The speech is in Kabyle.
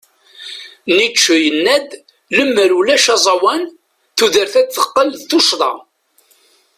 Nietzsche yenna-d: Lemmer ulac aẓawan, tudert ad teqqel d tuccḍa.